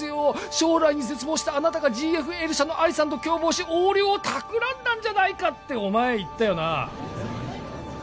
「将来に絶望したあなたがＧＦＬ社のアリさんと共謀し」「横領を企んだんじゃないか」ってお前言ったよな